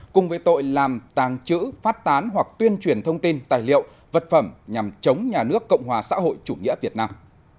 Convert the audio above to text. cùng với tội làm tàng trữ phát tán hoặc tuyên truyền thông tin tài liệu vật phẩm nhằm chống nhà nước cộng hòa xã hội chủ nghĩa việt nam